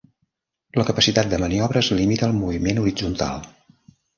La capacitat de maniobra es limita al moviment horitzontal.